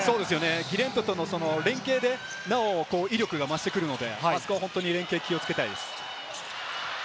ギレントとの連係でなお威力が増してくるので、そこは本当に連係、気をつけたいです。